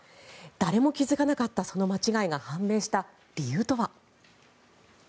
誰も気付かなかったその間違いが判明したその理由とは。